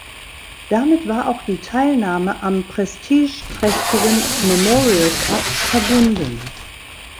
Damit war auch die Teilnahme am prestigeträchtigen Memorial Cup verbunden.